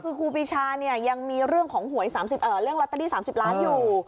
คือครูปีชาเนี่ยยังมีเรื่องของหวยเรื่องลอตเตอรี่๓๐ล้านอยู่